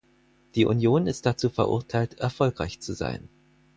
Die Union ist dazu verurteilt, erfolgreich zu sein.